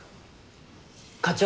課長。